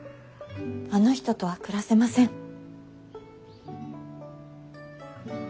あの人とは暮らせません。